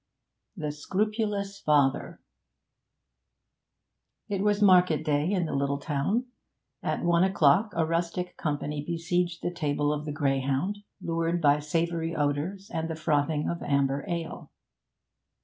THE SCRUPULOUS FATHER It was market day in the little town; at one o'clock a rustic company besieged the table of the Greyhound, lured by savoury odours and the frothing of amber ale.